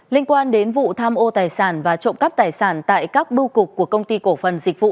liên quan đến vụ tham ô tài sản và trộm cắp tài sản tại các bưu cục của công ty cổ phần dịch vụ